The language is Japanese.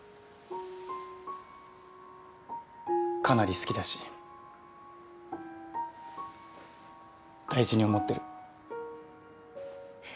かなり好きだし大事に思ってる。